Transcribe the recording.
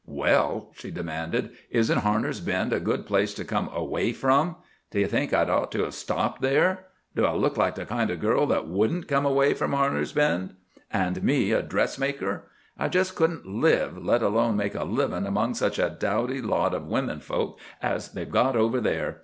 "Well," she demanded, "isn't Harner's Bend a good place to come away from? Do you think I'd ought to have stopped there? Do I look like the kind of girl that wouldn't come away from Harner's Bend? And me a dressmaker? I just couldn't live, let alone make a living, among such a dowdy lot of women folk as they've got over there.